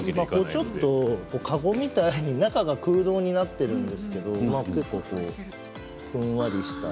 ちょっと籠みたいに中が空洞になっているんですけどもふんわりした。